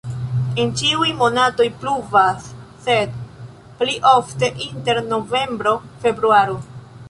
En ĉiuj monatoj pluvas, sed pli ofte inter novembro-februaro.